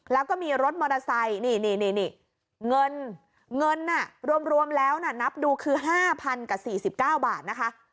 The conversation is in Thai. แล้วก็มีรถมอเตอร์ไซค์นี่เงินเงินรวมแล้วนับดูคือ๕๐๐กับ๔๙บาทนะคะ